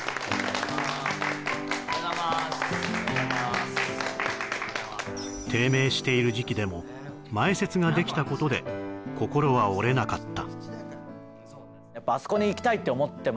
おはようございます低迷している時期でも前説ができたことで心は折れなかった